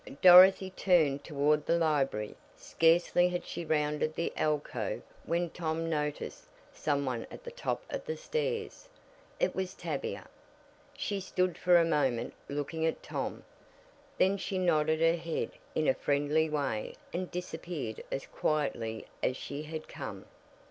Dorothy turned toward the library. Scarcely had she rounded the alcove when Tom noticed some one at the top of the stairs. It was Tavia. She stood for a moment looking at Tom, then she nodded her head in a friendly way and disappeared as quietly as she had come.